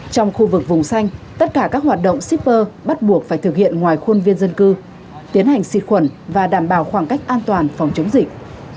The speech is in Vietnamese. trong khu vực vùng xanh tất cả các hoạt động shipper bắt buộc phải thực hiện ngoài khuôn viên dân cư tiến hành xịt khuẩn và đảm bảo khoảng cách an toàn phòng chống dịch